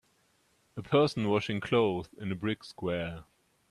A person washing clothes in an brick square